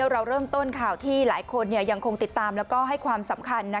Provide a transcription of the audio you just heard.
เราเริ่มต้นข่าวที่หลายคนยังคงติดตามแล้วก็ให้ความสำคัญ